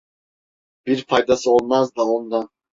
Bir faydası olmaz da ondan.